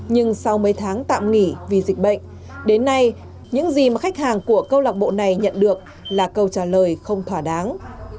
nhưng sau mấy tháng tạm nghỉ vì dịch bệnh đến nay những gì mà khách hàng của câu lạc bộ này nhận được là câu trả lời không thỏa đáng